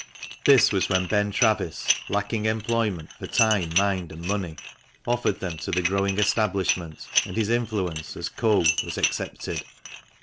This was when Ben Travis, lacking employment for time, mind, and money, offered them to the growing establishment, and his influence as "Co." was accepted.